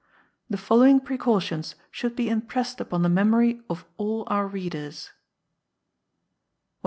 The following precautions should be impressed upon the memory of all our readers: 1378.